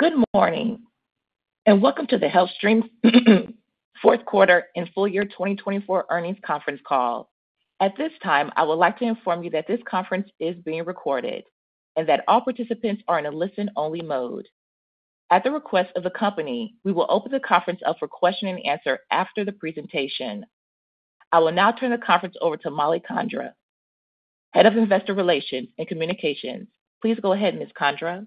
Good morning and welcome to the HealthStream Fourth Quarter and Full Year 2024 Earnings Conference Call. At this time, I would like to inform you that this conference is being recorded and that all participants are in a listen-only mode. At the request of the company, we will open the conference up for question and answer after the presentation. I will now turn the conference over to Mollie Condra, Head of Investor Relations and Communications. Please go ahead, Ms. Condra.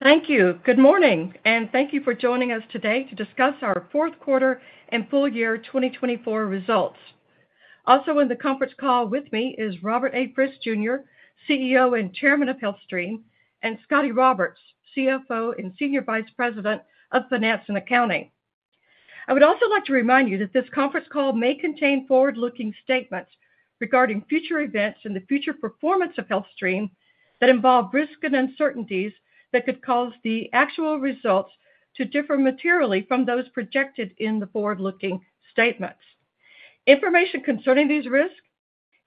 Thank you. Good morning and thank you for joining us today to discuss our fourth quarter and full year 2024 results. Also in the conference call with me is Robert A. Frist, Jr., CEO and Chairman of HealthStream, and Scotty Roberts, CFO and Senior Vice President of Finance and Accounting. I would also like to remind you that this conference call may contain forward-looking statements regarding future events and the future performance of HealthStream that involve risks and uncertainties that could cause the actual results to differ materially from those projected in the forward-looking statements. Information concerning these risks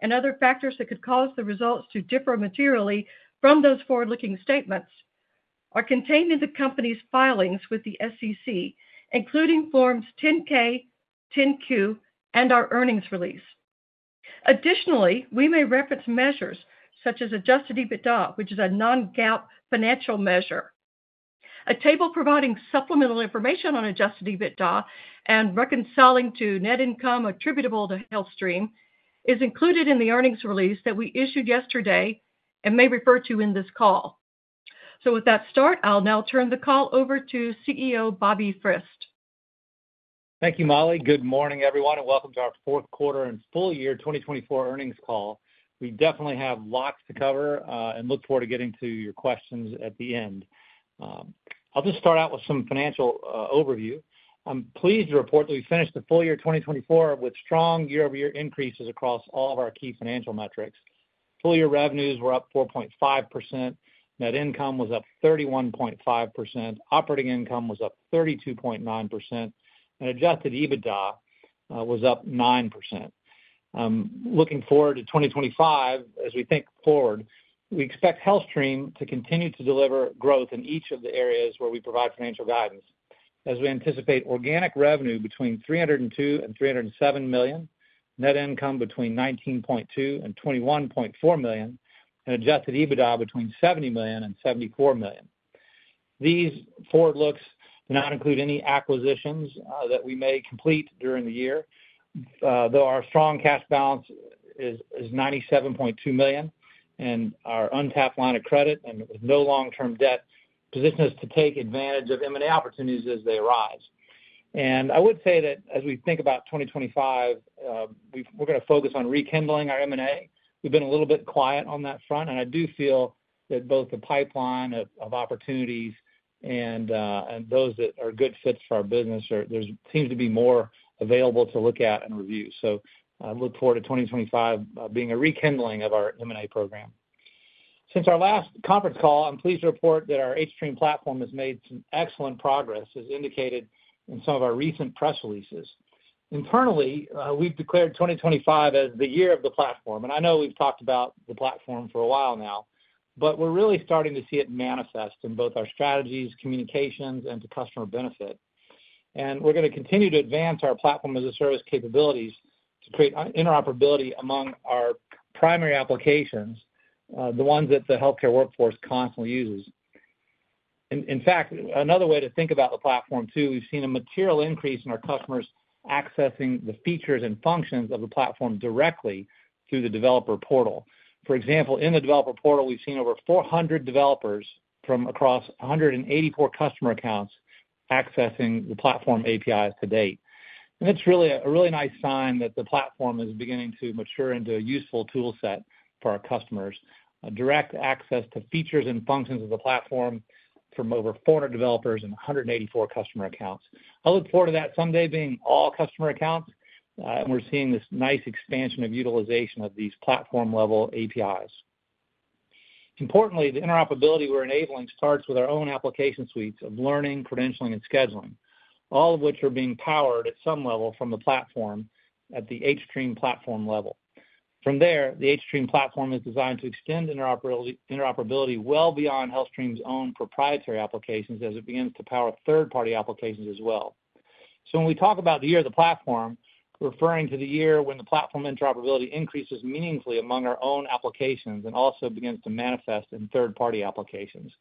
and other factors that could cause the results to differ materially from those forward-looking statements are contained in the company's filings with the SEC, including Forms 10-K, 10-Q, and our earnings release. Additionally, we may reference measures such as adjusted EBITDA, which is a non-GAAP financial measure. A table providing supplemental information on adjusted EBITDA and reconciling to net income attributable to HealthStream is included in the earnings release that we issued yesterday and may refer to in this call. So with that start, I'll now turn the call over to CEO Bobby Frist. Thank you, Mollie. Good morning, everyone, and welcome to our fourth quarter and full year 2024 earnings call. We definitely have lots to cover and look forward to getting to your questions at the end. I'll just start out with some financial overview. I'm pleased to report that we finished the full year 2024 with strong year-over-year increases across all of our key financial metrics. Full year revenues were up 4.5%. Net income was up 31.5%. Operating income was up 32.9%. And adjusted EBITDA was up 9%. Looking forward to 2025, as we think forward, we expect HealthStream to continue to deliver growth in each of the areas where we provide financial guidance, as we anticipate organic revenue between $302-$307 million, net income between $19.2-$21.4 million, and adjusted EBITDA between $70 million-$74 million. These forward looks do not include any acquisitions that we may complete during the year, though our strong cash balance is $97.2 million and our untapped line of credit and with no long-term debt position us to take advantage of M&A opportunities as they arise. And I would say that as we think about 2025, we're going to focus on rekindling our M&A. We've been a little bit quiet on that front, and I do feel that both the pipeline of opportunities and those that are good fits for our business, there seems to be more available to look at and review. So I look forward to 2025 being a rekindling of our M&A program. Since our last conference call, I'm pleased to report that our hStream platform has made some excellent progress, as indicated in some of our recent press releases. Internally, we've declared 2025 as the year of the platform, and I know we've talked about the platform for a while now, but we're really starting to see it manifest in both our strategies, communications, and to customer benefit, and we're going to continue to advance our platform as a service capabilities to create interoperability among our primary applications, the ones that the healthcare workforce constantly uses. In fact, another way to think about the platform, too, we've seen a material increase in our customers accessing the features and functions of the platform directly through the developer portal. For example, in the developer portal, we've seen over 400 developers from across 184 customer accounts accessing the platform APIs to date. It's really a really nice sign that the platform is beginning to mature into a useful toolset for our customers: direct access to features and functions of the platform from over 400 developers and 184 customer accounts. I look forward to that someday being all customer accounts, and we're seeing this nice expansion of utilization of these platform-level APIs. Importantly, the interoperability we're enabling starts with our own application suites of learning, credentialing, and scheduling, all of which are being powered at some level from the platform at the hStream platform level. From there, the hStream platform is designed to extend interoperability well beyond HealthStream's own proprietary applications as it begins to power third-party applications as well. So when we talk about the year of the platform, we're referring to the year when the platform interoperability increases meaningfully among our own applications and also begins to manifest in third-party applications.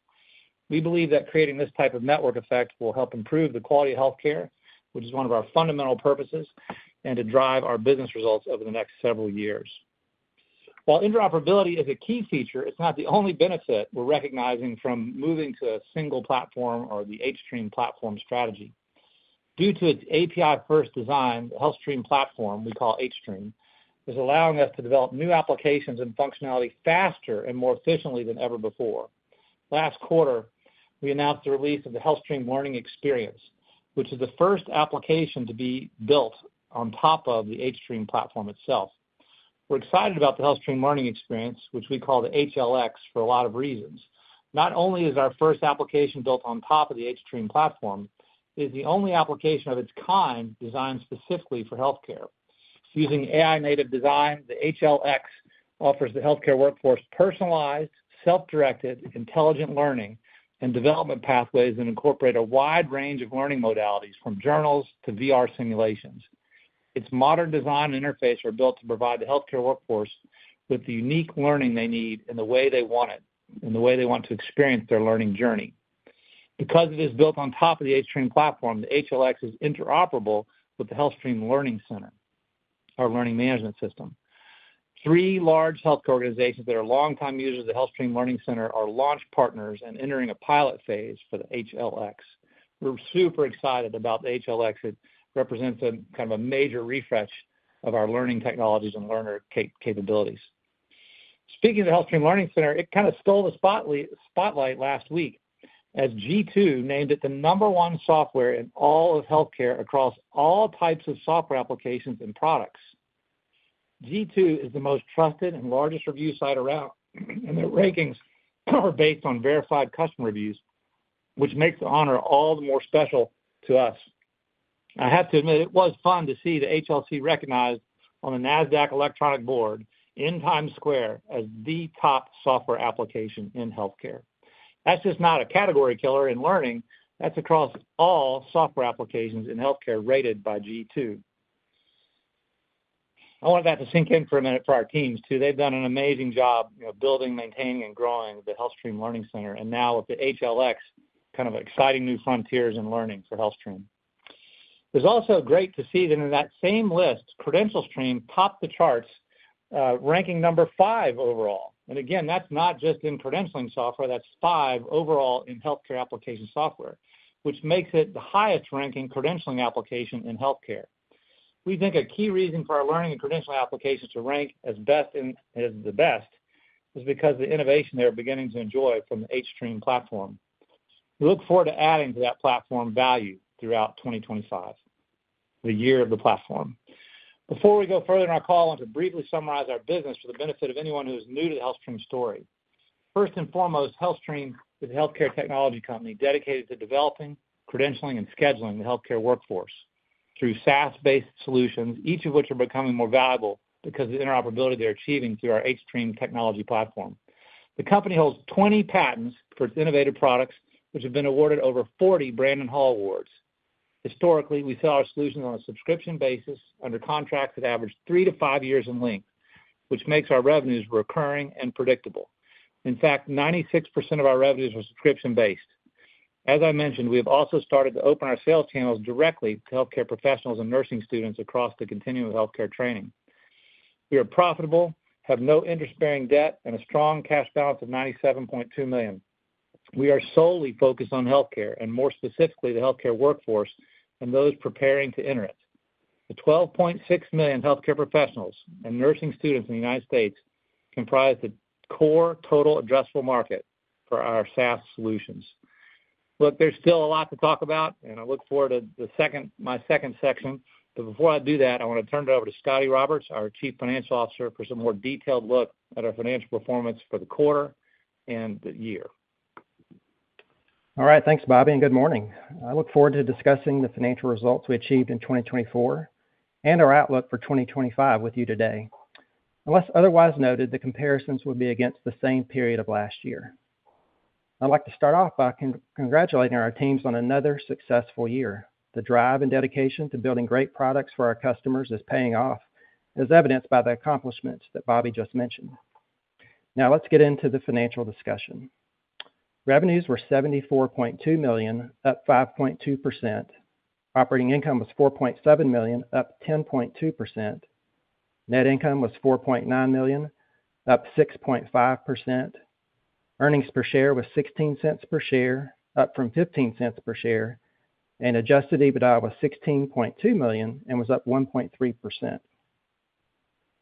We believe that creating this type of network effect will help improve the quality of healthcare, which is one of our fundamental purposes, and to drive our business results over the next several years. While interoperability is a key feature, it's not the only benefit we're recognizing from moving to a single platform or the hStream platform strategy. Due to its API-first design, the HealthStream platform we call hStream is allowing us to develop new applications and functionality faster and more efficiently than ever before. Last quarter, we announced the release of the HealthStream Learning Experience, which is the first application to be built on top of the hStream platform itself. We're excited about the HealthStream Learning Experience, which we call the HLX for a lot of reasons. Not only is our first application built on top of the hStream platform, it is the only application of its kind designed specifically for healthcare. Using AI-native design, the HLX offers the healthcare workforce personalized, self-directed, intelligent learning and development pathways that incorporate a wide range of learning modalities from journals to VR simulations. Its modern design and interface are built to provide the healthcare workforce with the unique learning they need in the way they want it, in the way they want to experience their learning journey. Because it is built on top of the hStream platform, the HLX is interoperable with the HealthStream Learning Center, our learning management system. Three large healthcare organizations that are longtime users of the HealthStream Learning Center are launch partners and entering a pilot phase for the HLX. We're super excited about the HLX. It represents a kind of a major refresh of our learning technologies and learner capabilities. Speaking of the HealthStream Learning Center, it kind of stole the spotlight last week as G2 named it the number one software in all of healthcare across all types of software applications and products. G2 is the most trusted and largest review site around, and their rankings are based on verified customer reviews, which makes the honor all the more special to us. I have to admit, it was fun to see the HLC recognized on the Nasdaq Electronic Board in Times Square as the top software application in healthcare. That's just a category killer in learning. That's across all software applications in healthcare rated by G2. I wanted that to sink in for a minute for our teams, too. They've done an amazing job building and maintaining and growing the HealthStream Learning Center and now with the HLX, kind of exciting new frontiers in learning for HealthStream. It's also great to see that in that same list, CredentialStream topped the charts, ranking number five overall. And again, that's not just in credentialing software. That's five overall in healthcare application software, which makes it the highest-ranking credentialing application in healthcare. We think a key reason for our learning and credentialing applications to rank as best as the best is because of the innovation they're beginning to enjoy from the hStream platform. We look forward to adding to that platform value throughout 2025, the year of the platform. Before we go further in our call, I want to briefly summarize our business for the benefit of anyone who is new to the HealthStream story. First and foremost, HealthStream is a healthcare technology company dedicated to developing, credentialing, and scheduling the healthcare workforce through SaaS-based solutions, each of which are becoming more valuable because of the interoperability they're achieving through our hStream technology platform. The company holds 20 patents for its innovative products, which have been awarded over 40 Brandon Hall Awards. Historically, we sell our solutions on a subscription basis under contracts that average three to five years in length, which makes our revenues recurring and predictable. In fact, 96% of our revenues are subscription-based. As I mentioned, we have also started to open our sales channels directly to healthcare professionals and nursing students across the continuum of healthcare training. We are profitable, have no interest-bearing debt, and a strong cash balance of $97.2 million. We are solely focused on healthcare and more specifically the healthcare workforce and those preparing to enter it. The 12.6 million healthcare professionals and nursing students in the United States comprise the core total addressable market for our SaaS solutions. Look, there's still a lot to talk about, and I look forward to my second section. But before I do that, I want to turn it over to Scotty Roberts, our Chief Financial Officer, for some more detailed look at our financial performance for the quarter and the year. All right, thanks, Bobby, and good morning. I look forward to discussing the financial results we achieved in 2024 and our outlook for 2025 with you today. Unless otherwise noted, the comparisons will be against the same period of last year. I'd like to start off by congratulating our teams on another successful year. The drive and dedication to building great products for our customers is paying off, as evidenced by the accomplishments that Bobby just mentioned. Now let's get into the financial discussion. Revenues were $74.2 million, up 5.2%. Operating income was $4.7 million, up 10.2%. Net income was $4.9 million, up 6.5%. Earnings per share was $0.16 per share, up from $0.15 per share. And adjusted EBITDA was $16.2 million and was up 1.3%.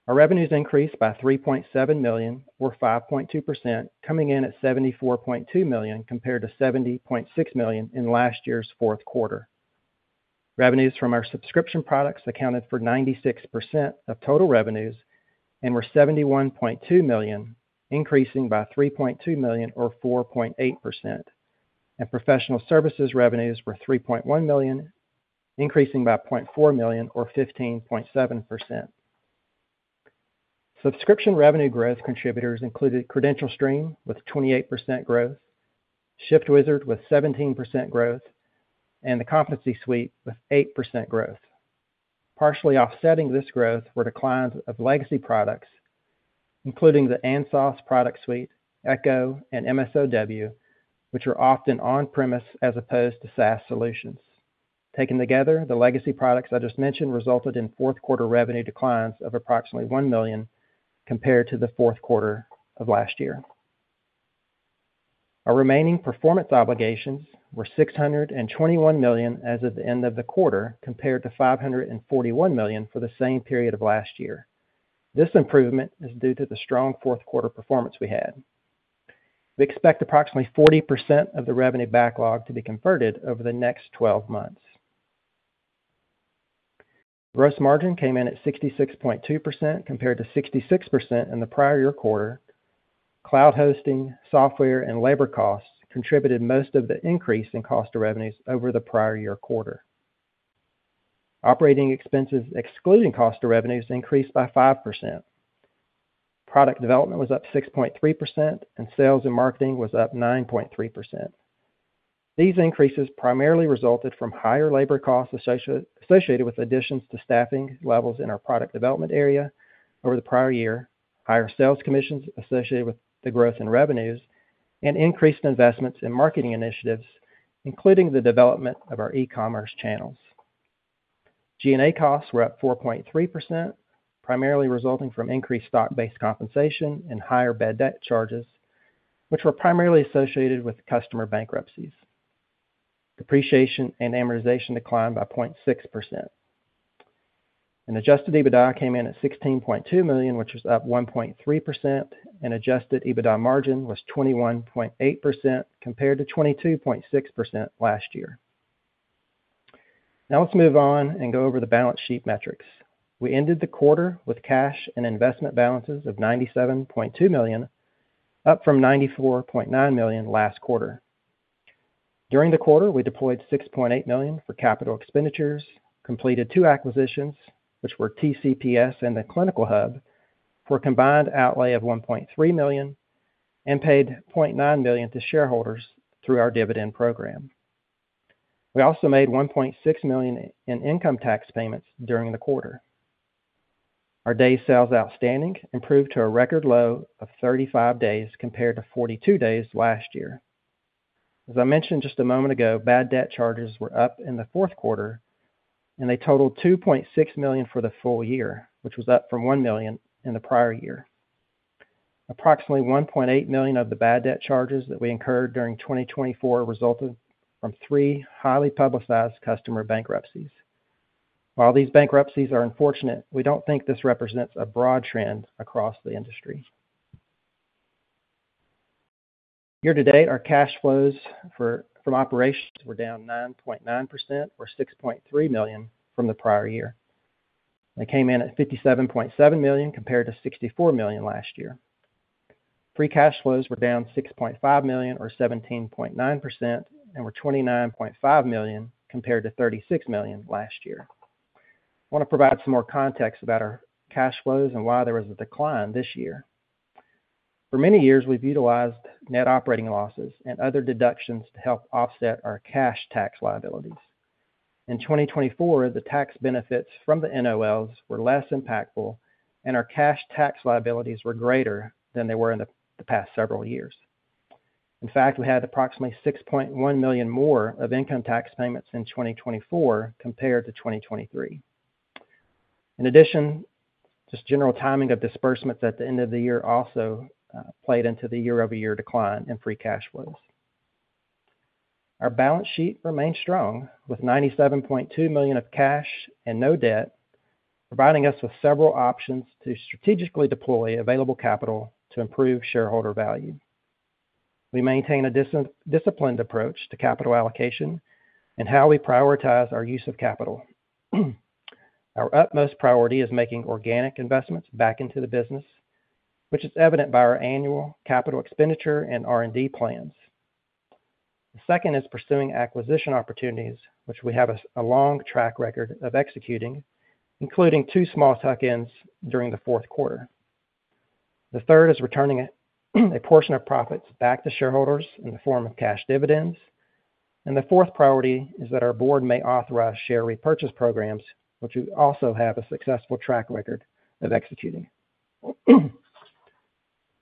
Our revenues increased by $3.7 million or 5.2%, coming in at $74.2 million compared to $70.6 million in last year's fourth quarter. Revenues from our subscription products accounted for 96% of total revenues and were $71.2 million, increasing by $3.2 million or 4.8%. And professional services revenues were $3.1 million, increasing by $0.4 million or 15.7%. Subscription revenue growth contributors included CredentialStream with 28% growth, ShiftWizard with 17% growth, and the Competency Suite with 8% growth. Partially offsetting this growth were declines of legacy products, including the ANSOS product suite, Echo, and MSOW, which are often on-premise as opposed to SaaS solutions. Taken together, the legacy products I just mentioned resulted in fourth quarter revenue declines of approximately one million compared to the fourth quarter of last year. Our remaining performance obligations were $621 million as of the end of the quarter compared to $541 million for the same period of last year. This improvement is due to the strong fourth quarter performance we had. We expect approximately 40% of the revenue backlog to be converted over the next 12 months. Gross margin came in at 66.2% compared to 66% in the prior year quarter. Cloud hosting, software, and labor costs contributed most of the increase in cost of revenues over the prior year quarter. Operating expenses excluding cost of revenues increased by 5%. Product development was up 6.3%, and sales and marketing was up 9.3%. These increases primarily resulted from higher labor costs associated with additions to staffing levels in our product development area over the prior year, higher sales commissions associated with the growth in revenues, and increased investments in marketing initiatives, including the development of our e-commerce channels. G&A costs were up 4.3%, primarily resulting from increased stock-based compensation and higher bad debt charges, which were primarily associated with customer bankruptcies. Depreciation and amortization declined by 0.6%. An adjusted EBITDA came in at $16.2 million, which was up 1.3%, and adjusted EBITDA margin was 21.8% compared to 22.6% last year. Now let's move on and go over the balance sheet metrics. We ended the quarter with cash and investment balances of $97.2 million, up from $94.9 million last quarter. During the quarter, we deployed $6.8 million for capital expenditures, completed two acquisitions, which were TCPS and The Clinical Hub, for a combined outlay of $1.3 million, and paid $0.9 million to shareholders through our dividend program. We also made $1.6 million in income tax payments during the quarter. Our day sales outstanding improved to a record low of 35 days compared to 42 days last year. As I mentioned just a moment ago, bad debt charges were up in the fourth quarter, and they totaled $2.6 million for the full year, which was up from $1 million in the prior year. Approximately $1.8 million of the bad debt charges that we incurred during 2024 resulted from three highly publicized customer bankruptcies. While these bankruptcies are unfortunate, we don't think this represents a broad trend across the industry. Year to date, our cash flows from operations were down 9.9% or $6.3 million from the prior year. They came in at $57.7 million compared to $64 million last year. Free cash flows were down $6.5 million or 17.9% and were $29.5 million compared to $36 million last year. I want to provide some more context about our cash flows and why there was a decline this year. For many years, we've utilized net operating losses and other deductions to help offset our cash tax liabilities. In 2024, the tax benefits from the NOLs were less impactful, and our cash tax liabilities were greater than they were in the past several years. In fact, we had approximately $6.1 million more of income tax payments in 2024 compared to 2023. In addition, just general timing of disbursements at the end of the year also played into the year-over-year decline in free cash flows. Our balance sheet remained strong with $97.2 million of cash and no debt, providing us with several options to strategically deploy available capital to improve shareholder value. We maintain a disciplined approach to capital allocation and how we prioritize our use of capital. Our utmost priority is making organic investments back into the business, which is evident by our annual capital expenditure and R&D plans. The second is pursuing acquisition opportunities, which we have a long track record of executing, including two small tuck-ins during the fourth quarter. The third is returning a portion of profits back to shareholders in the form of cash dividends, and the fourth priority is that our board may authorize share repurchase programs, which we also have a successful track record of executing.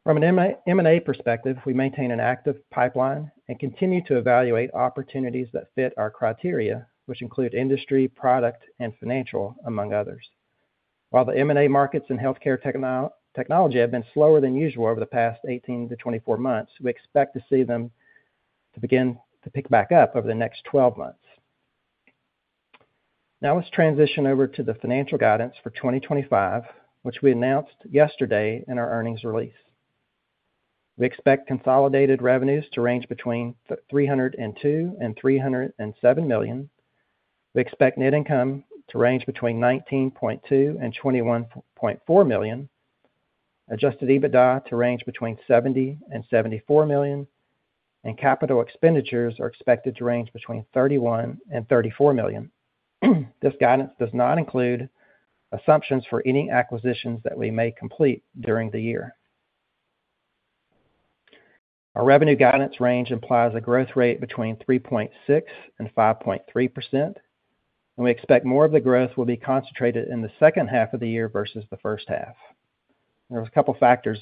From an M&A perspective, we maintain an active pipeline and continue to evaluate opportunities that fit our criteria, which include industry, product, and financial, among others. While the M&A markets in healthcare technology have been slower than usual over the past 18 to 24 months, we expect to see them begin to pick back up over the next 12 months. Now let's transition over to the financial guidance for 2025, which we announced yesterday in our earnings release. We expect consolidated revenues to range between $302 million and $307 million. We expect net income to range between $19.2 million and $21.4 million. Adjusted EBITDA to range between $70 million and $74 million, and capital expenditures are expected to range between $31 million and $34 million. This guidance does not include assumptions for any acquisitions that we may complete during the year. Our revenue guidance range implies a growth rate between 3.6% and 5.3%, and we expect more of the growth will be concentrated in the second half of the year versus the first half. There are a couple of factors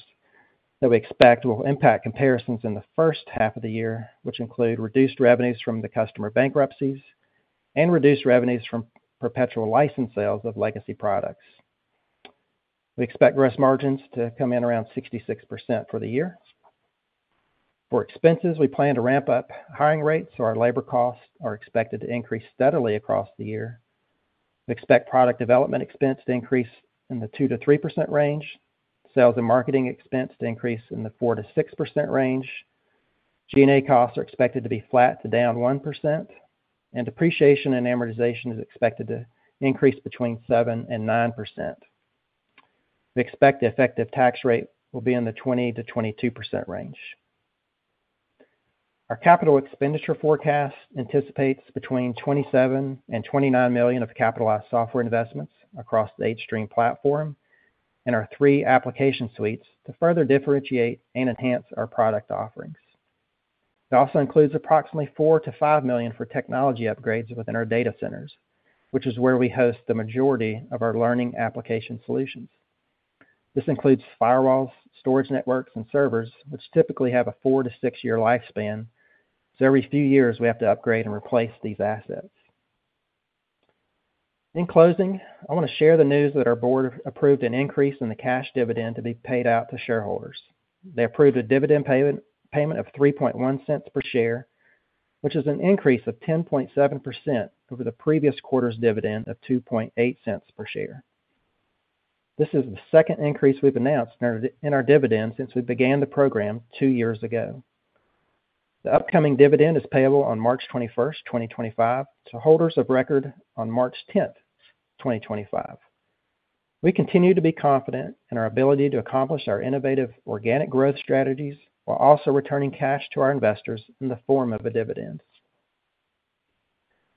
that we expect will impact comparisons in the first half of the year, which include reduced revenues from the customer bankruptcies and reduced revenues from perpetual license sales of legacy products. We expect gross margins to come in around 66% for the year. For expenses, we plan to ramp up hiring rates, so our labor costs are expected to increase steadily across the year. We expect product development expense to increase in the 2%-3% range, sales and marketing expense to increase in the 4%-6% range. G&A costs are expected to be flat to down 1%, and depreciation and amortization is expected to increase between 7% and 9%. We expect the effective tax rate will be in the 20%-22% range. Our capital expenditure forecast anticipates between $27 million and $29 million of capitalized software investments across the hStream platform and our three application suites to further differentiate and enhance our product offerings. It also includes approximately $4 million to $5 million for technology upgrades within our data centers, which is where we host the majority of our learning application solutions. This includes firewalls, storage networks, and servers, which typically have a four- to six-year lifespan. So every few years, we have to upgrade and replace these assets. In closing, I want to share the news that our board approved an increase in the cash dividend to be paid out to shareholders. They approved a dividend payment of $0.031 per share, which is an increase of 10.7% over the previous quarter's dividend of $0.028 per share. This is the second increase we've announced in our dividend since we began the program two years ago. The upcoming dividend is payable on March 21st, 2025, to holders of record on March 10th, 2025. We continue to be confident in our ability to accomplish our innovative organic growth strategies while also returning cash to our investors in the form of a dividend.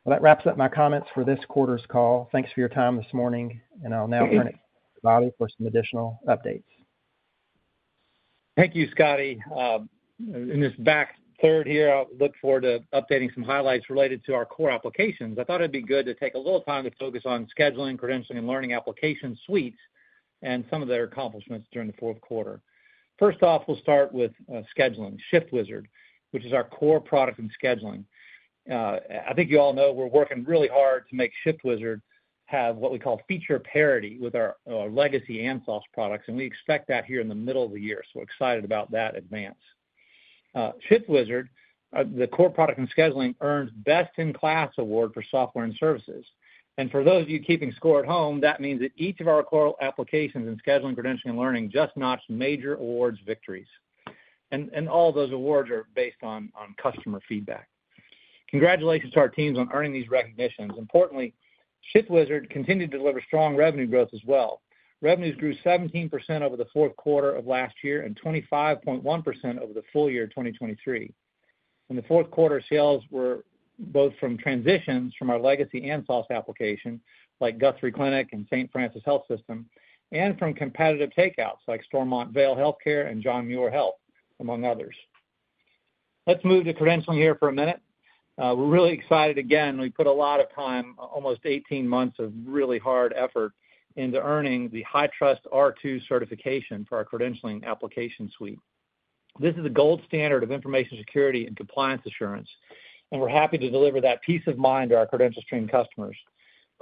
That wraps up my comments for this quarter's call. Thanks for your time this morning, and I'll now turn it to Bobby for some additional updates. Thank you, Scotty. In this back third here, I look forward to updating some highlights related to our core applications. I thought it'd be good to take a little time to focus on scheduling, credentialing, and learning application suites and some of their accomplishments during the fourth quarter. First off, we'll start with scheduling, ShiftWizard, which is our core product and scheduling. I think you all know we're working really hard to make ShiftWizard have what we call feature parity with our legacy ANSOS products, and we expect that here in the middle of the year, so we're excited about that advance. ShiftWizard, the core product and scheduling, earned Best in KLAS award for software and services. And for those of you keeping score at home, that means that each of our core applications and scheduling, credentialing, and learning just notched major awards victories. All those awards are based on customer feedback. Congratulations to our teams on earning these recognitions. Importantly, ShiftWizard continued to deliver strong revenue growth as well. Revenues grew 17% over the fourth quarter of last year and 25.1% over the full year of 2023. In the fourth quarter, sales were both from transitions from our legacy ANSOS application like Guthrie Clinic and St. Francis Health System, and from competitive takeouts like Stormont Vail Health and John Muir Health, among others. Let's move to credentialing here for a minute. We're really excited again. We put a lot of time, almost 18 months of really hard effort into earning the HITRUST r2 certification for our credentialing application suite. This is a gold standard of information security and compliance assurance, and we're happy to deliver that peace of mind to our CredentialStream customers.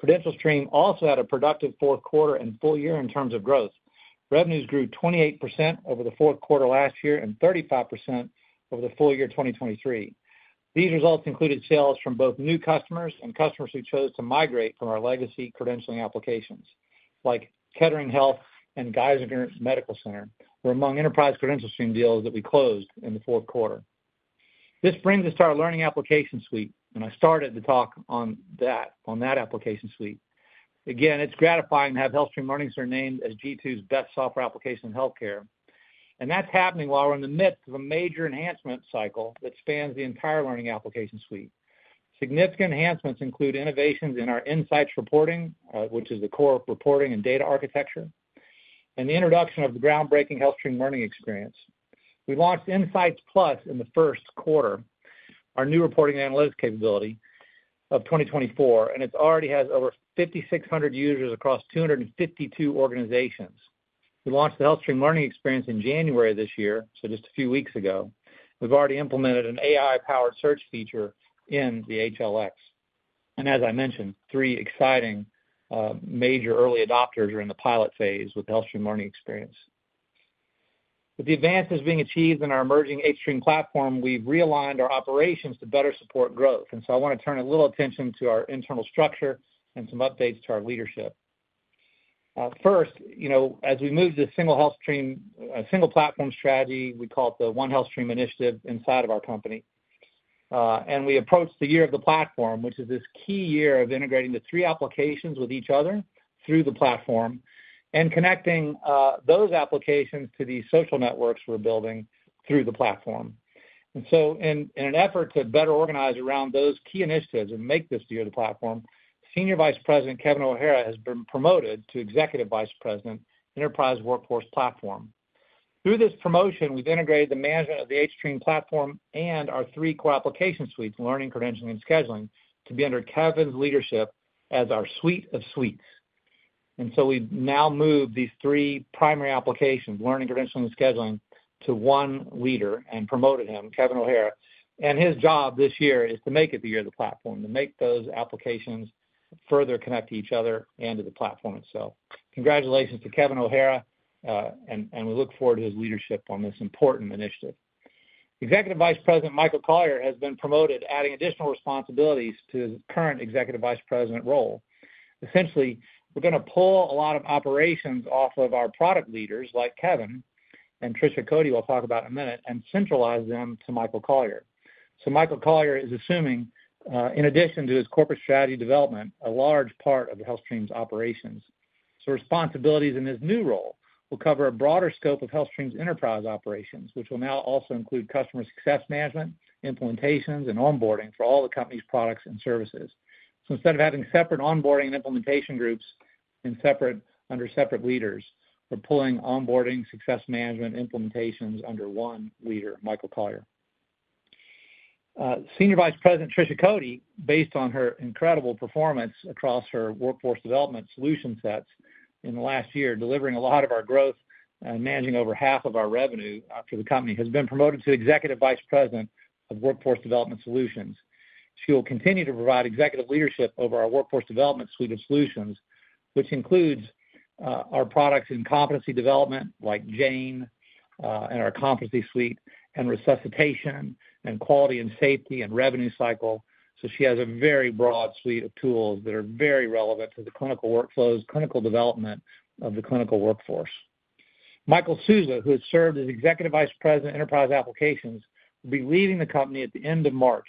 CredentialStream also had a productive fourth quarter and full year in terms of growth. Revenues grew 28% over the fourth quarter last year and 35% over the full year 2023. These results included sales from both new customers and customers who chose to migrate from our legacy credentialing applications like Kettering Health and Geisinger Medical Center, who are among enterprise CredentialStream deals that we closed in the fourth quarter. This brings us to our learning application suite, and I started the talk on that application suite. Again, it's gratifying to have HealthStream Learning named as G2's best software application in healthcare, and that's happening while we're in the midst of a major enhancement cycle that spans the entire learning application suite. Significant enhancements include innovations in our Insights reporting, which is the core reporting and data architecture, and the introduction of the groundbreaking HealthStream Learning Experience. We launched Insights+ in the first quarter, our new reporting and analytics capability of 2024, and it already has over 5,600 users across 252 organizations. We launched the HealthStream Learning Experience in January of this year, so just a few weeks ago. We've already implemented an AI-powered search feature in the HLX. And as I mentioned, three exciting major early adopters are in the pilot phase with the HealthStream Learning Experience. With the advances being achieved in our emerging hStream platform, we've realigned our operations to better support growth. And so I want to turn a little attention to our internal structure and some updates to our leadership. First, as we moved to the single platform strategy, we called the One HealthStream Initiative inside of our company. And we approached the year of the platform, which is this key year of integrating the three applications with each other through the platform and connecting those applications to the social networks we're building through the platform. And so in an effort to better organize around those key initiatives and make this year the platform, Senior Vice President Kevin O'Hara has been promoted to Executive Vice President, Enterprise Workforce Platform. Through this promotion, we've integrated the management of the hStream platform and our three core application suites, learning, credentialing, and scheduling, to be under Kevin's leadership as our suite of suites. And so we've now moved these three primary applications, learning, credentialing, and scheduling, to one leader and promoted him, Kevin O'Hara. And his job this year is to make it the year of the platform, to make those applications further connect to each other and to the platform itself. Congratulations to Kevin O'Hara, and we look forward to his leadership on this important initiative. Executive Vice President Michael Collier has been promoted, adding additional responsibilities to his current Executive Vice President role. Essentially, we're going to pull a lot of operations off of our product leaders like Kevin and Trisha Coady, who I'll talk about in a minute, and centralize them to Michael Collier. So Michael Collier is assuming, in addition to his corporate strategy development, a large part of HealthStream's operations. So responsibilities in his new role will cover a broader scope of HealthStream's enterprise operations, which will now also include customer success management, implementations, and onboarding for all the company's products and services. So instead of having separate onboarding and implementation groups under separate leaders, we're pulling onboarding, success management, and implementations under one leader, Michael Collier. Senior Vice President Trisha Coady, based on her incredible performance across her workforce development solution sets in the last year, delivering a lot of our growth and managing over half of our revenue for the company, has been promoted to Executive Vice President of Workforce Development Solutions. She will continue to provide executive leadership over our workforce development suite of solutions, which includes our products in competency development like Jane and our competency suite and resuscitation and quality and safety and revenue cycle, so she has a very broad suite of tools that are very relevant to the clinical workflows, clinical development of the clinical workforce. Michael Sousa, who has served as Executive Vice President, Enterprise Applications, will be leaving the company at the end of March,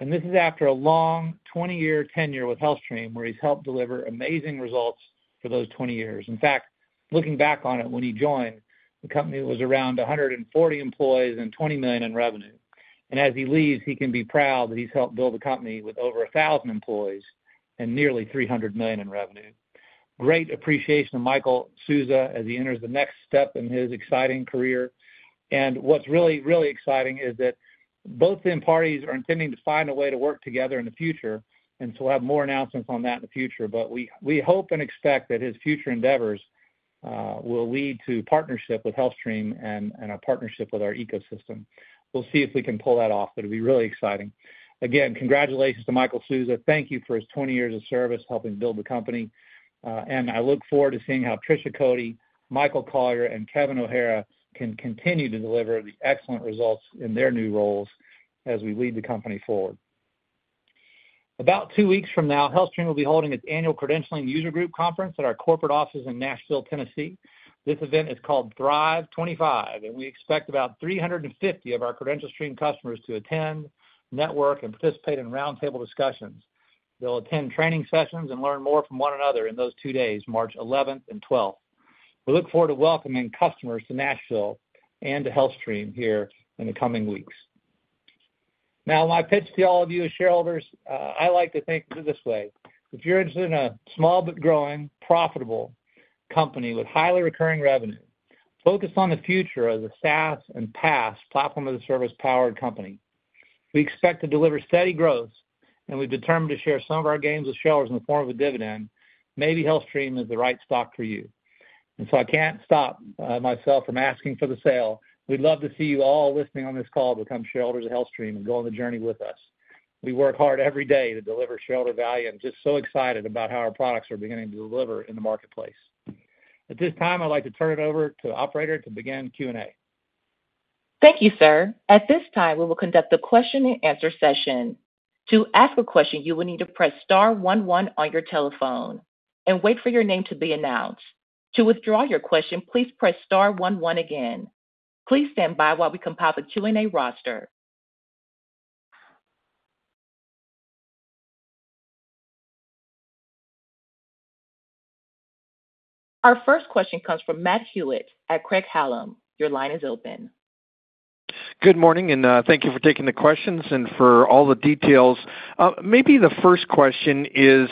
and this is after a long 20-year tenure with HealthStream, where he's helped deliver amazing results for those 20 years. In fact, looking back on it when he joined, the company was around 140 employees and $20 million in revenue. And as he leaves, he can be proud that he's helped build a company with over 1,000 employees and nearly $300 million in revenue. Great appreciation of Michael Sousa as he enters the next step in his exciting career. And what's really, really exciting is that both parties are intending to find a way to work together in the future. And so we'll have more announcements on that in the future, but we hope and expect that his future endeavors will lead to partnership with HealthStream and a partnership with our ecosystem. We'll see if we can pull that off, but it'll be really exciting. Again, congratulations to Michael Sousa. Thank you for his 20 years of service helping build the company. I look forward to seeing how Trisha Coady, Michael Collier, and Kevin O'Hara can continue to deliver the excellent results in their new roles as we lead the company forward. About two weeks from now, HealthStream will be holding its annual Credentialing User Group Conference at our corporate office in Nashville, Tennessee. This event is called Thrive25, and we expect about 350 of our CredentialStream customers to attend, network, and participate in roundtable discussions. They'll attend training sessions and learn more from one another in those two days, March 11th and 12th. We look forward to welcoming customers to Nashville and to HealthStream here in the coming weeks. Now, my pitch to all of you as shareholders, I like to think of it this way. If you're interested in a small but growing, profitable company with highly recurring revenue, focused on the future as a SaaS and PaaS platform as a service powered company, we expect to deliver steady growth, and we've determined to share some of our gains with shareholders in the form of a dividend. Maybe HealthStream is the right stock for you, and so I can't stop myself from asking for the sale. We'd love to see you all listening on this call become shareholders of HealthStream and go on the journey with us. We work hard every day to deliver shareholder value and just so excited about how our products are beginning to deliver in the marketplace. At this time, I'd like to turn it over to the operator to begin Q&A. Thank you, sir. At this time, we will conduct the question-and-answer session. To ask a question, you will need to press star one one on your telephone and wait for your name to be announced. To withdraw your question, please press star one one again. Please stand by while we compile the Q&A roster. Our first question comes from Matt Hewitt at Craig-Hallum. Your line is open. Good morning, and thank you for taking the questions and for all the details. Maybe the first question is,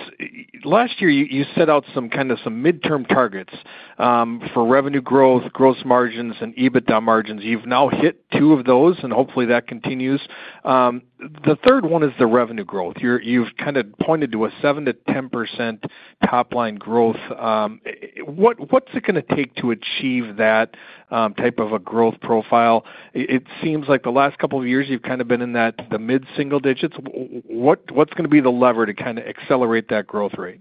last year, you set out some kind of midterm targets for revenue growth, gross margins, and EBITDA margins. You've now hit two of those, and hopefully, that continues. The third one is the revenue growth. You've kind of pointed to a 7%-10% top-line growth. What's it going to take to achieve that type of a growth profile? It seems like the last couple of years, you've kind of been in that mid-single digits. What's going to be the lever to kind of accelerate that growth rate?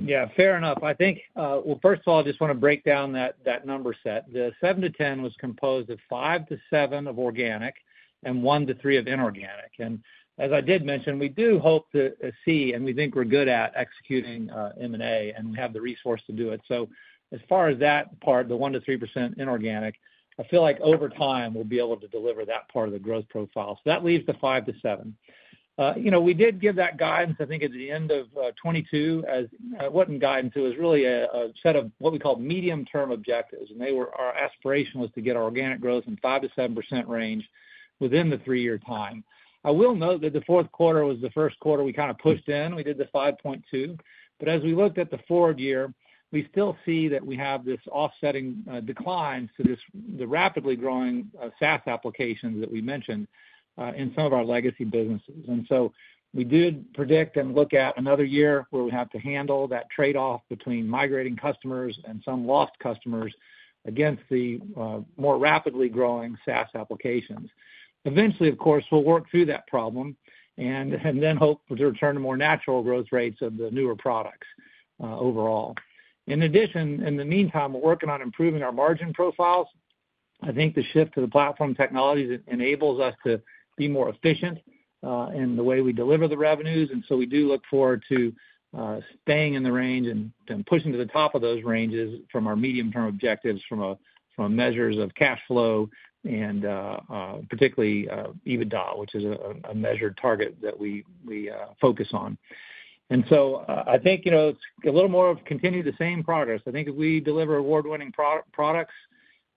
Yeah, fair enough. I think, well, first of all, I just want to break down that number set. The 7-10 was composed of 5-7 of organic and 1-3 of inorganic, and as I did mention, we do hope to see, and we think we're good at executing M&A, and we have the resource to do it, so as far as that part, the 1-3% inorganic, I feel like over time, we'll be able to deliver that part of the growth profile, so that leaves the 5-7. We did give that guidance, I think, at the end of 2022. It wasn't guidance. It was really a set of what we call medium-term objectives, and our aspiration was to get organic growth in the 5-7% range within the three-year time. I will note that the fourth quarter was the first quarter we kind of pushed in. We did the 5.2, but as we looked at the fourth year, we still see that we have this offsetting decline to the rapidly growing SaaS applications that we mentioned in some of our legacy businesses, and so we did predict and look at another year where we have to handle that trade-off between migrating customers and some lost customers against the more rapidly growing SaaS applications. Eventually, of course, we'll work through that problem and then hope to return to more natural growth rates of the newer products overall. In addition, in the meantime, we're working on improving our margin profiles. I think the shift to the platform technologies enables us to be more efficient in the way we deliver the revenues. We do look forward to staying in the range and pushing to the top of those ranges from our medium-term objectives from measures of cash flow and particularly EBITDA, which is a measured target that we focus on. And so I think it's a little more of continue the same progress. I think if we deliver award-winning products,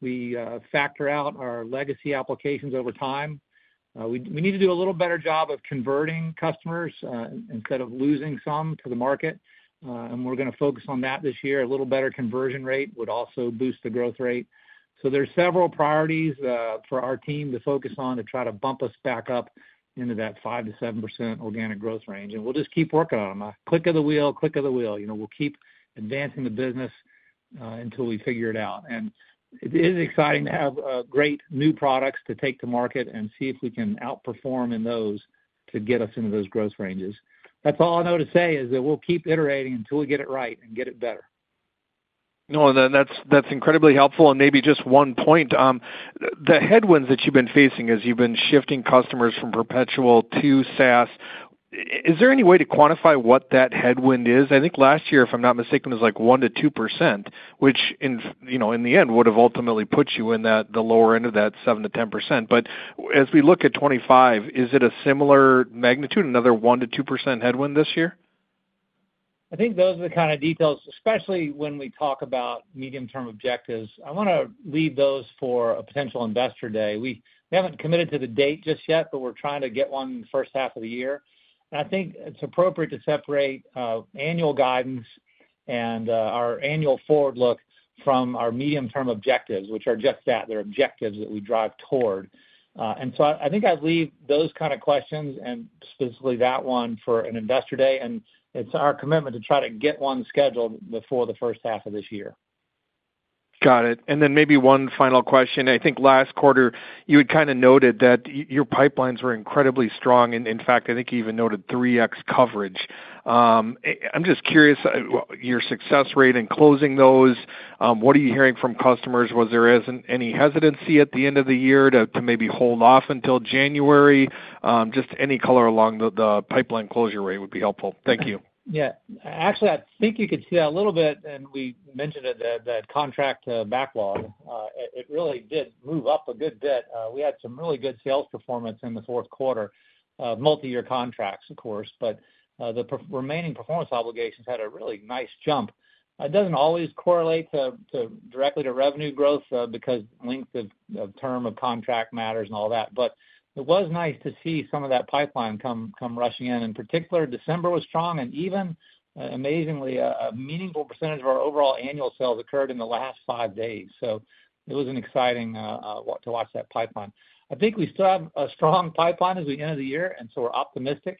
we factor out our legacy applications over time. We need to do a little better job of converting customers instead of losing some to the market. And we're going to focus on that this year. A little better conversion rate would also boost the growth rate. So there are several priorities for our team to focus on to try to bump us back up into that 5%-7% organic growth range. And we'll just keep working on them. Click of the wheel, click of the wheel. We'll keep advancing the business until we figure it out, and it is exciting to have great new products to take to market and see if we can outperform in those to get us into those growth ranges. That's all I know to say is that we'll keep iterating until we get it right and get it better. No, that's incredibly helpful, and maybe just one point. The headwinds that you've been facing as you've been shifting customers from perpetual to SaaS, is there any way to quantify what that headwind is? I think last year, if I'm not mistaken, it was like 1%-2%, which in the end would have ultimately put you in the lower end of that 7%-10%. But as we look at 2025, is it a similar magnitude, another 1%-2% headwind this year? I think those are the kind of details, especially when we talk about medium-term objectives. I want to leave those for a potential Investor Day. We haven't committed to the date just yet, but we're trying to get one in the first half of the year. And I think it's appropriate to separate annual guidance and our annual forward look from our medium-term objectives, which are just that. They're objectives that we drive toward. And so I think I'd leave those kind of questions and specifically that one for an Investor Day. And it's our commitment to try to get one scheduled before the first half of this year. Got it. And then maybe one final question. I think last quarter, you had kind of noted that your pipelines were incredibly strong. In fact, I think you even noted 3x coverage. I'm just curious, your success rate in closing those, what are you hearing from customers? Was there any hesitancy at the end of the year to maybe hold off until January? Just any color along the pipeline closure rate would be helpful. Thank you. Yeah. Actually, I think you could see that a little bit, and we mentioned that contract backlog. It really did move up a good bit. We had some really good sales performance in the fourth quarter, multi-year contracts, of course, but the remaining performance obligations had a really nice jump. It doesn't always correlate directly to revenue growth because length of term of contract matters and all that. But it was nice to see some of that pipeline come rushing in. In particular, December was strong and even, amazingly, a meaningful percentage of our overall annual sales occurred in the last five days. So it was exciting to watch that pipeline. I think we still have a strong pipeline as we enter the year, and so we're optimistic.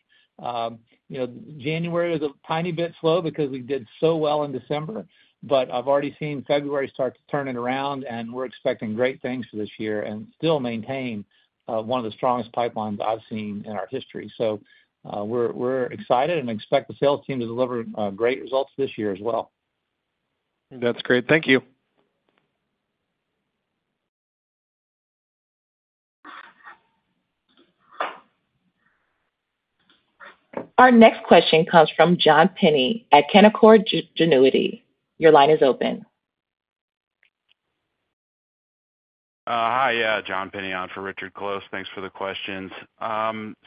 January was a tiny bit slow because we did so well in December, but I've already seen February start to turn it around, and we're expecting great things for this year and still maintain one of the strongest pipelines I've seen in our history, so we're excited and expect the sales team to deliver great results this year as well. That's great. Thank you. Our next question comes from John Pinney at Canaccord Genuity. Your line is open. Hi, John Pinney on for Richard Close. Thanks for the questions.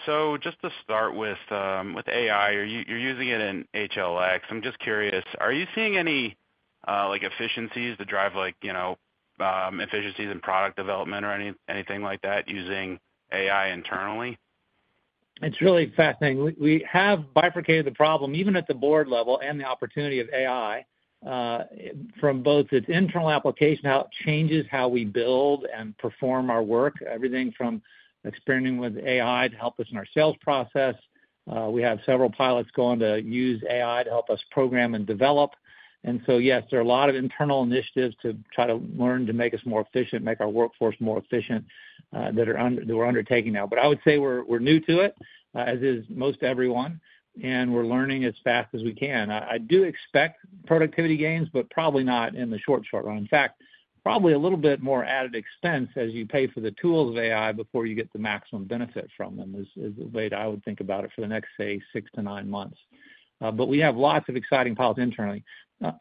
So just to start with AI, you're using it in HLX. I'm just curious, are you seeing any efficiencies to drive efficiencies in product development or anything like that using AI internally? It's really fascinating. We have bifurcated the problem even at the board level and the opportunity of AI from both its internal application, how it changes how we build and perform our work, everything from experimenting with AI to help us in our sales process. We have several pilots going to use AI to help us program and develop. And so, yes, there are a lot of internal initiatives to try to learn to make us more efficient, make our workforce more efficient that we're undertaking now. But I would say we're new to it, as is most everyone, and we're learning as fast as we can. I do expect productivity gains, but probably not in the short short run. In fact, probably a little bit more added expense as you pay for the tools of AI before you get the maximum benefit from them is the way that I would think about it for the next, say, six to nine months. But we have lots of exciting pilots internally.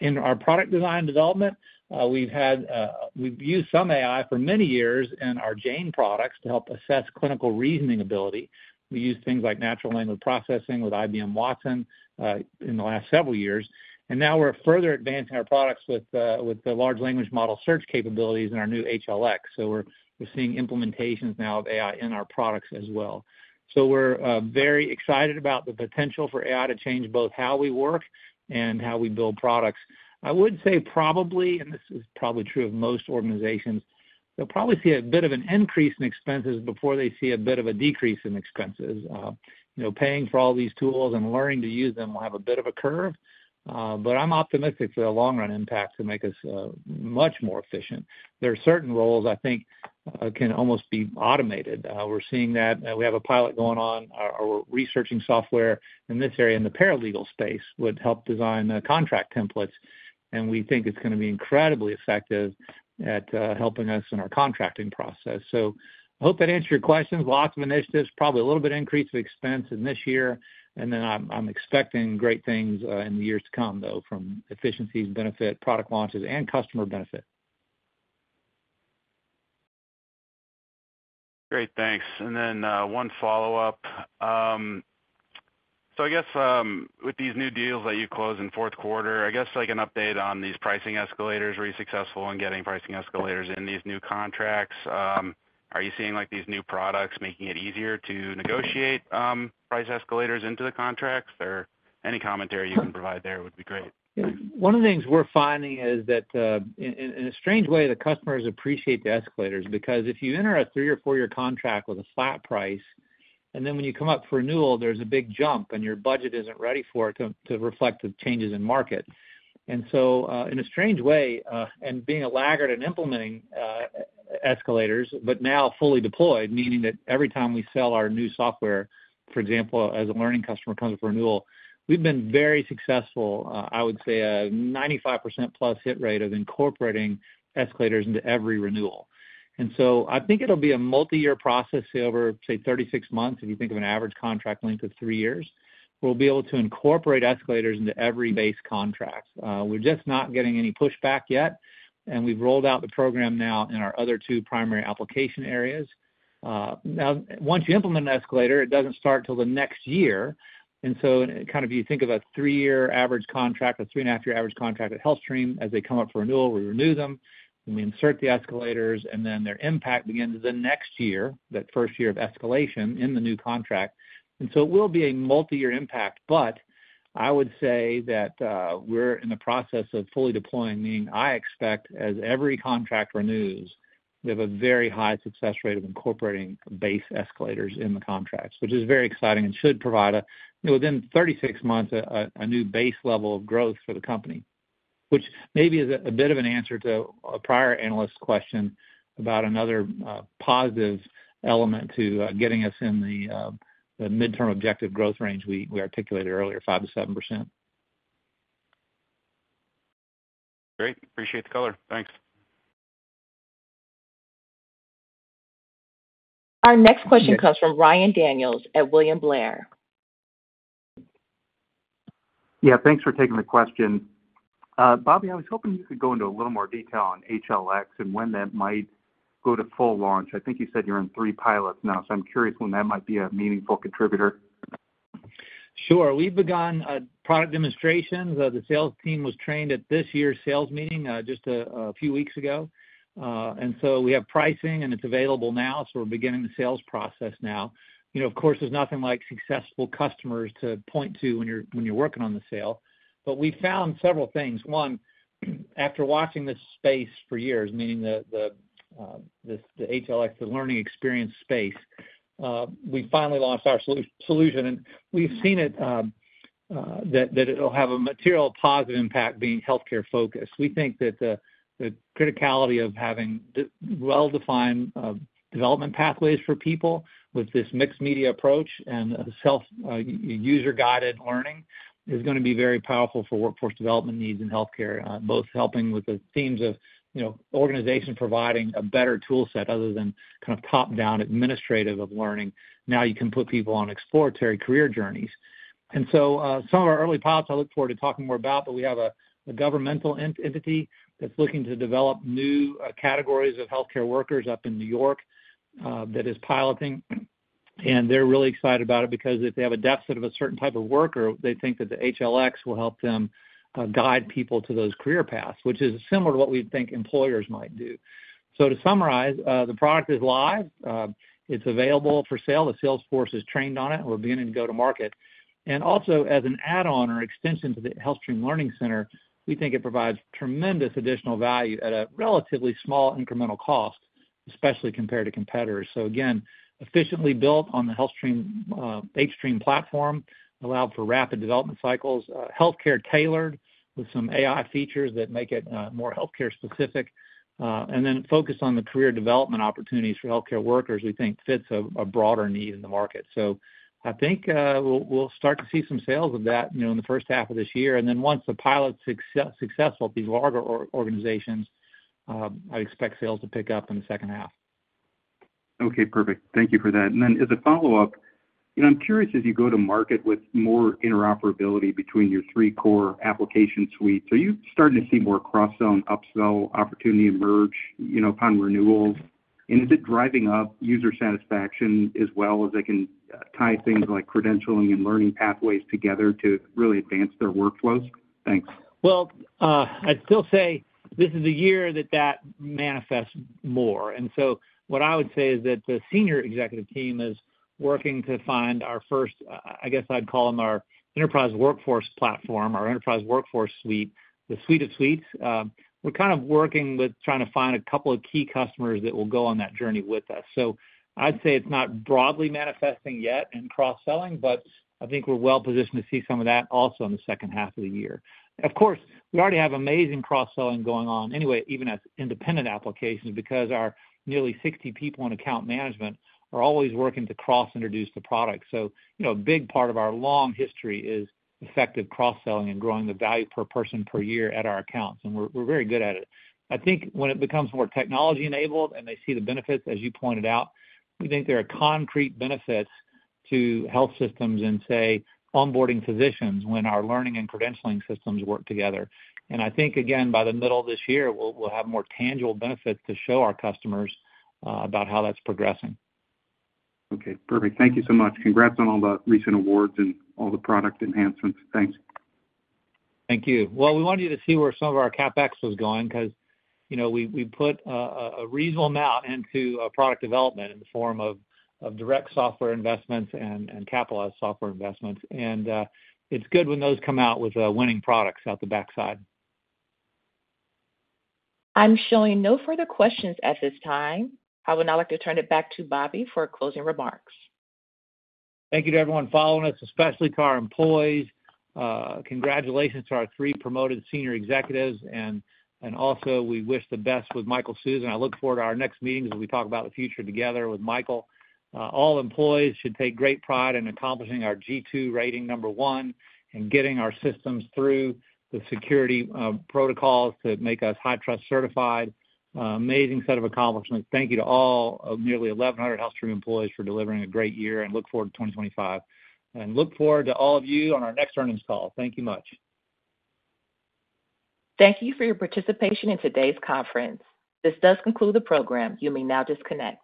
In our product design development, we've used some AI for many years in our Jane products to help assess clinical reasoning ability. We use things like natural language processing with IBM Watson in the last several years. And now we're further advancing our products with the large language model search capabilities in our new HLX. So we're seeing implementations now of AI in our products as well. So we're very excited about the potential for AI to change both how we work and how we build products. I would say probably, and this is probably true of most organizations, they'll probably see a bit of an increase in expenses before they see a bit of a decrease in expenses. Paying for all these tools and learning to use them will have a bit of a curve, but I'm optimistic for the long-run impact to make us much more efficient. There are certain roles I think can almost be automated. We're seeing that. We have a pilot going on. We're researching software in this area in the paralegal space would help design contract templates. And we think it's going to be incredibly effective at helping us in our contracting process. So I hope that answered your questions. Lots of initiatives, probably a little bit of increase of expense in this year. Then I'm expecting great things in the years to come, though, from efficiencies, benefit, product launches, and customer benefit. Great. Thanks. And then one follow-up. So I guess with these new deals that you close in fourth quarter, I guess an update on these pricing escalators. Were you successful in getting pricing escalators in these new contracts? Are you seeing these new products making it easier to negotiate price escalators into the contracts? Or any commentary you can provide there would be great. One of the things we're finding is that, in a strange way, the customers appreciate the escalators because if you enter a three- or four-year contract with a flat price, and then when you come up for renewal, there's a big jump, and your budget isn't ready for it to reflect the changes in market. And so, in a strange way, and being a laggard in implementing escalators, but now fully deployed, meaning that every time we sell our new software, for example, as a learning customer comes up for renewal, we've been very successful, I would say, a 95% plus hit rate of incorporating escalators into every renewal. And so I think it'll be a multi-year process over, say, 36 months if you think of an average contract length of three years. We'll be able to incorporate escalators into every base contract. We're just not getting any pushback yet, and we've rolled out the program now in our other two primary application areas. Now, once you implement an escalator, it doesn't start until the next year. And so kind of you think of a three-year average contract, a three-and-a-half-year average contract at HealthStream. As they come up for renewal, we renew them, and we insert the escalators, and then their impact begins the next year, that first year of escalation in the new contract. And so it will be a multi-year impact, but I would say that we're in the process of fully deploying, meaning I expect as every contract renews, we have a very high success rate of incorporating base escalators in the contracts, which is very exciting and should provide within 36 months a new base level of growth for the company, which maybe is a bit of an answer to a prior analyst question about another positive element to getting us in the midterm objective growth range we articulated earlier, 5%-7%. Great. Appreciate the color. Thanks. Our next question comes from Ryan Daniels at William Blair. Yeah. Thanks for taking the question. Bobby, I was hoping you could go into a little more detail on HLX and when that might go to full launch. I think you said you're in three pilots now, so I'm curious when that might be a meaningful contributor? Sure. We've begun product demonstrations. The sales team was trained at this year's sales meeting just a few weeks ago. And so we have pricing, and it's available now, so we're beginning the sales process now. Of course, there's nothing like successful customers to point to when you're working on the sale. But we found several things. One, after watching this space for years, meaning the HLX, the learning experience space, we finally launched our solution, and we've seen it that it'll have a material positive impact being healthcare-focused. We think that the criticality of having well-defined development pathways for people with this mixed media approach and self-user-guided learning is going to be very powerful for workforce development needs in healthcare, both helping with the themes of organization providing a better toolset other than kind of top-down administrative of learning. Now you can put people on exploratory career journeys. And so, some of our early pilots I look forward to talking more about, but we have a governmental entity that's looking to develop new categories of healthcare workers up in New York that is piloting. And they're really excited about it because if they have a deficit of a certain type of worker, they think that the HLX will help them guide people to those career paths, which is similar to what we think employers might do. So to summarize, the product is live. It's available for sale. The sales force is trained on it, and we're beginning to go to market. And also, as an add-on or extension to the HealthStream Learning Center, we think it provides tremendous additional value at a relatively small incremental cost, especially compared to competitors. So again, efficiently built on the HealthStream hStream platform, allowed for rapid development cycles, healthcare-tailored with some AI features that make it more healthcare-specific, and then focused on the career development opportunities for healthcare workers, we think fits a broader need in the market. So I think we'll start to see some sales of that in the first half of this year. And then once the pilot's successful at these larger organizations, I expect sales to pick up in the second half. Okay. Perfect. Thank you for that. And then as a follow-up, I'm curious as you go to market with more interoperability between your three core application suites, are you starting to see more cross-sell and up-sell opportunity emerge upon renewals? And is it driving up user satisfaction as well as they can tie things like credentialing and learning pathways together to really advance their workflows? Thanks. Well, I'd still say this is the year that that manifests more. And so what I would say is that the senior executive team is working to find our first, I guess I'd call them our enterprise workforce platform, our enterprise workforce suite, the suite of suites. We're kind of working with trying to find a couple of key customers that will go on that journey with us. So I'd say it's not broadly manifesting yet in cross-selling, but I think we're well positioned to see some of that also in the second half of the year. Of course, we already have amazing cross-selling going on anyway, even as independent applications, because our nearly 60 people in account management are always working to cross-introduce the product. So a big part of our long history is effective cross-selling and growing the value per person per year at our accounts. We're very good at it. I think when it becomes more technology-enabled and they see the benefits, as you pointed out, we think there are concrete benefits to health systems and, say, onboarding physicians when our learning and credentialing systems work together. And I think, again, by the middle of this year, we'll have more tangible benefits to show our customers about how that's progressing. Okay. Perfect. Thank you so much. Congrats on all the recent awards and all the product enhancements. Thanks. Thank you. Well, we wanted you to see where some of our CapEx was going because we put a reasonable amount into product development in the form of direct software investments and capitalized software investments. And it's good when those come out with winning products out the backside. I'm showing no further questions at this time. I would now like to turn it back to Bobby for closing remarks. Thank you to everyone following us, especially to our employees. Congratulations to our three promoted senior executives, and also, we wish the best with Michael Sousa. I look forward to our next meetings as we talk about the future together with Michael. All employees should take great pride in accomplishing our G2 rating number one and getting our systems through the security protocols to make us HITRUST-certified. Amazing set of accomplishments. Thank you to all of nearly 1,100 HealthStream employees for delivering a great year and look forward to 2025, and look forward to all of you on our next earnings call. Thank you much. Thank you for your participation in today's conference. This does conclude the program. You may now disconnect.